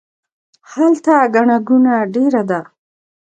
هلته ګڼه ګوڼه ډیره ده